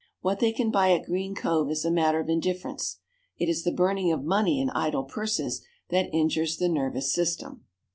What they can buy at Green Cove is a matter of indifference. It is the burning of money in idle purses that injures the nervous system.